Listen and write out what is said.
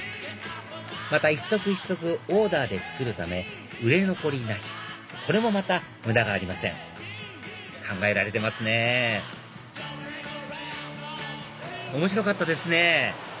また一足一足オーダーで作るため売れ残りなしこれもまた無駄がありません考えられてますね面白かったですね！